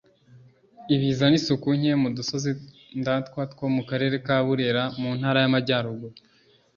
ibiza n’isuku nke mu dusozi ndatwa two mu karere ka Burera mu Ntara y’Amajyaruguru